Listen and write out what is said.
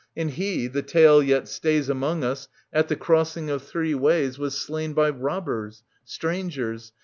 And he, the tale yet stays Among us, at the crossing of three ways Was slain by robbers, strangers.